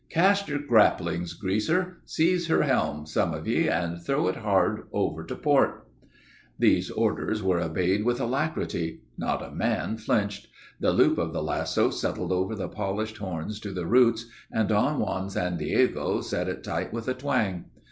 Cast your grapplings, Greaser! Seize her helm, some of ye, and throw it hard over to port!' [Illustration: "LAY ABOARD OF THE OLD CUSS!"] "These orders were obeyed with alacrity. Not a man flinched. The loop of the lasso settled over the polished horns to the roots, and Don Juan San Diego set it tight with a twang.